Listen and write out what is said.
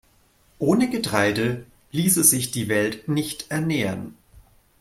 Ohne Getreide ließe sich die Welt nicht ernähren.